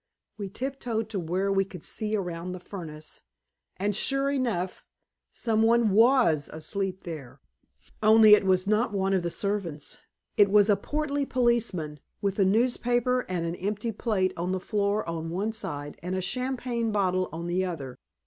We tiptoed to where we could see around the furnace, and, sure enough, some one WAS asleep there. Only, it was not one of the servants; it was a portly policeman, with a newspaper and an empty plate on the floor on one side, and a champagne bottle on the other.